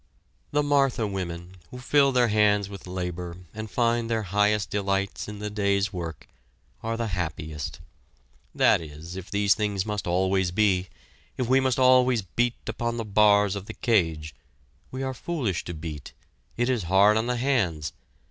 The Martha women, who fill their hands with labor and find their highest delights in the day's work, are the happiest. That is, if these things must always be, if we must always beat upon the bars of the cage we are foolish to beat; it is hard on the hands!